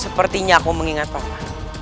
sepertinya aku mengingat paman